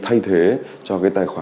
thay thế cho cái tài khoản